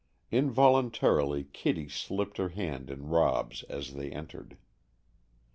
Involuntarily Kitty slipped her hand in Rob's as they entered.